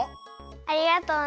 ありがとうね。